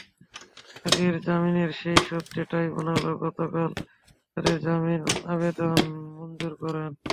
আগের জামিনের সেই শর্তে ট্রাইব্যুনালও গতকাল তাঁদের জামিন আবেদন মঞ্জুর করেন।